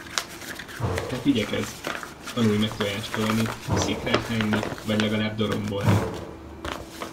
Hát igyekezz; tanulj meg tojást tojni, szikrát hányni, vagy legalább dorombolni!